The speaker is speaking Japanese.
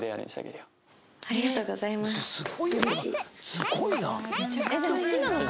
すごいな。